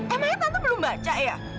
emangnya tante belum baca ya